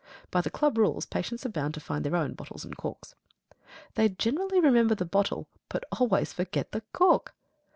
By the club rules, patients are bound to find their own bottles and corks. They generally remember the bottle, but always forget the cork.